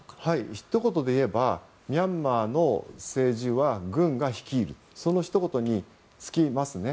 ひと言で言えばミャンマーの政治は軍が率いるそのひと言に尽きます。